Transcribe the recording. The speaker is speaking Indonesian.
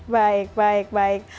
baik baik baik